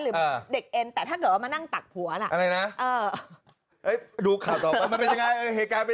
หรือเด็กเอ็นแต่ถ้าเกิดว่าม